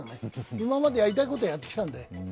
今までやりたいことやってきたので。